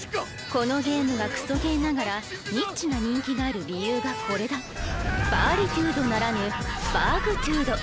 このゲームがクソゲーながらニッチな人気がある理由がこれだバーリトゥードならぬバーグトゥード。